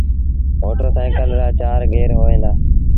موٽر سآئيٚڪل رآ چآر گير هوئين دآ۔